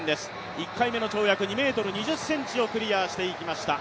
１回目の跳躍、２ｍ２０ｃｍをクリアしていきました。